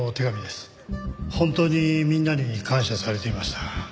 本当にみんなに感謝されていました。